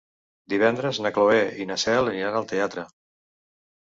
Divendres na Cloè i na Cel aniran al teatre.